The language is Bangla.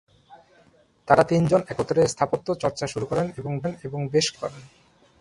তারা তিনজন একত্রে স্থাপত্য চর্চা শুরু করেন এবং বেশ কিছু কাজ করেন।